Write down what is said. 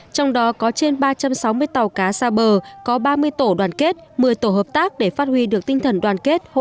trong đó có trên ba trăm sáu mươi tàu cá xa bờ có trên ba trăm sáu mươi tàu cá xa bờ có trên ba trăm sáu mươi tàu cá xa bờ